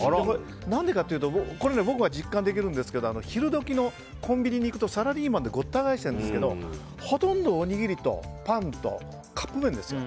何でかと言うと、これ僕は実感できるんですけど昼時のコンビニに行くとサラリーマンでごった返してるんですけどほとんど、おにぎりとパンとカップ麺ですよ。